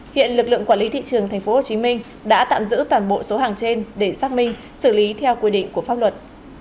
hiện lực lượng quản lý thị trường tp hcm đã tạm giữ toàn bộ số hàng trên để xác minh xử lý theo quy định của pháp luật